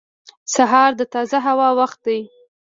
• سهار د تازه هوا وخت دی.